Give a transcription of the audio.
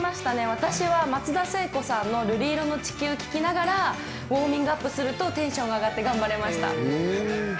私は松田聖子さんの『瑠璃色の地球』を聴きながら、ウオーミングアップするとテンションが上がって頑張れました。